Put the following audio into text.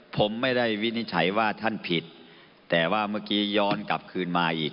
ผมไม่ได้วินิจฉัยว่าท่านผิดแต่ว่าเมื่อกี้ย้อนกลับคืนมาอีก